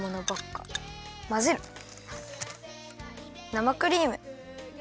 生クリーム。